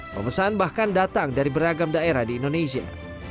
pemesan bahkan datang dari beragam daerah di indonesia